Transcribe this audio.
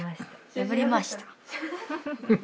破りました。